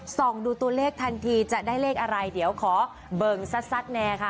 ส่องดูตัวเลขทันทีจะได้เลขอะไรเดี๋ยวขอเบิ่งซัดแน่ค่ะ